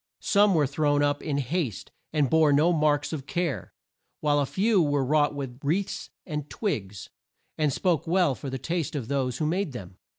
Some were thrown up in haste and bore no marks of care, while a few were wrought with wreaths and twigs, and spoke well for the taste of those who made them.